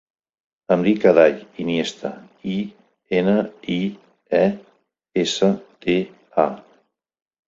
Em dic Aday Iniesta: i, ena, i, e, essa, te, a.